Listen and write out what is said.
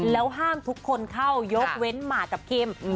แล้วห้ามทุกคนเข้ายกเว้นหมากกับคิม